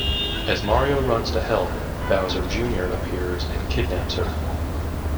As Mario runs to help, Bowser Junior appears and kidnaps her.